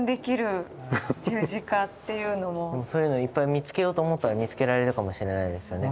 そういうのいっぱい見つけようと思ったら見つけられるかもしれないですよね。